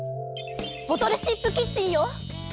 ボトルシップキッチンよ！